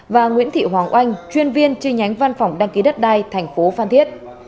và nguyễn thị hoàng oanh chuyên viên chi nhánh văn phòng đăng ký đất đai thành phố phan thiết